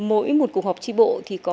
mỗi một cuộc họp tri bộ thì có